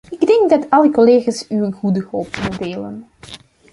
Ik denk dat alle collega's uw goede hoop delen.